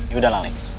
yaudah lah lex